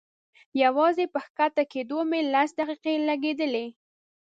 يوازې په کښته کېدو مې لس دقيقې لګېدلې.